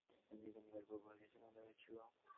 আর একখানি গাড়ি পূর্ব হইতেই সেখানে দাঁড়াইয়া ছিল।